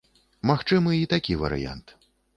Магчымы і такі варыянт.